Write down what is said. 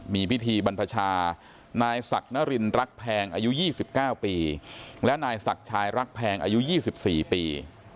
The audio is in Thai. มีพิธีบรรพชานายศักดิ์นรินรักแพงอายุ๒๙ปีและนายศักดิ์ชายรักแพงอายุ๒๔ปี